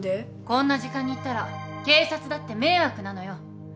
こんな時間に行ったら警察だって迷惑なのよ。